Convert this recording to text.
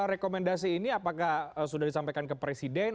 rekomendasi ini apakah sudah disampaikan ke presiden